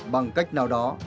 bằng cách nào đó